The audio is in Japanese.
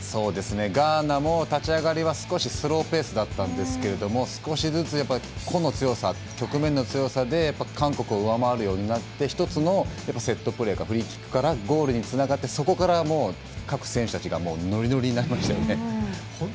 ガーナも立ち上がりは少しスローペースだったんですが少しずつ個の強さ、局面の強さで韓国を上回るようになって１つのセットプレーフリーキックからゴールにつながってそこから各選手たちがノリノリになりましたよね。